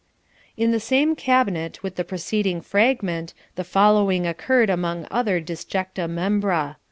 In the same cabinet with the preceding fragment, the following occurred among other disjecta membra.